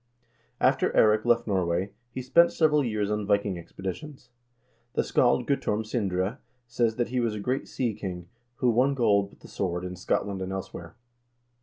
After Eirik left Norway, he spent several years on Viking expedi tions. The scald Guttorm Sindre says that he was a great sea king, who won gold with the sword in Scotland and elsewhere.